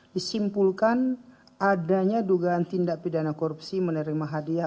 disimpulkan adanya dugaan tindak pidana korupsi menerima hadiah